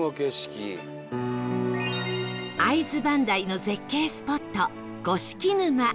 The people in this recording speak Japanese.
会津磐梯の絶景スポット五色沼